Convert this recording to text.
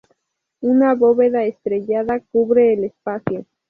Una bóveda estrellada cubre el espacio.